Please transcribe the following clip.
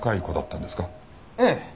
ええ。